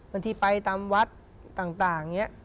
บางทีไปตามวัดต่างอย่างนี้